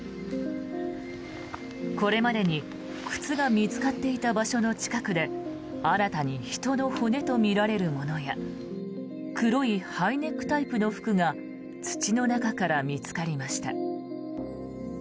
これまでに靴が見つかっていた場所の近くで新たに人の骨とみられるものや黒いハイネックタイプの服が土の中から見つかりました。